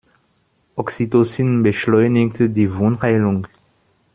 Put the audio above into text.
Oxytocin beschleunigt die Wundheilung.